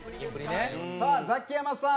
さあザキヤマさん。